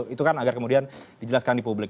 itu kan agar kemudian dijelaskan di publik